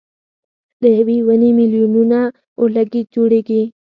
له یوې ونې مېلیونه اورلګیت جوړېږي.